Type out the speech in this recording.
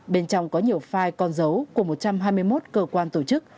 bên trong có nhiều file con dấu của một trăm hai mươi một cơ quan tổ chức